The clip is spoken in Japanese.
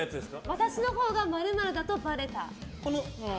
私のほうが○○だとばれた。